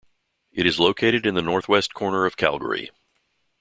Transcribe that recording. It is located in the northwest corner of Calgary.